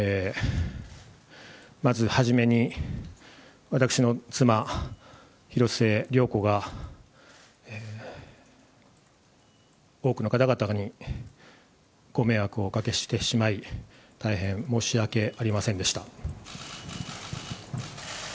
まず初めに、私の妻、広末涼子が多くの方々にご迷惑をおかけしてしまい、大変申し訳ありませんでした。